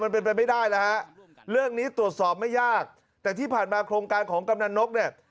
ไปไม่ได้แล้วฮะเรื่องนี้ตรวจสอบไม่ยากแต่ที่ผ่านมาโครงการของกำนันนกเนี่ย